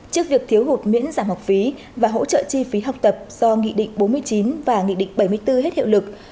trước việc thiếu hụt miễn giảm học phí và hỗ trợ chi phí học tập do nghị định bốn mươi chín và nghị định bảy mươi bốn hết hiệu lực